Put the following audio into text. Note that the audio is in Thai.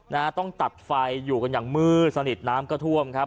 นะฮะต้องตัดไฟอยู่กันอย่างมืดสนิทน้ำก็ท่วมครับ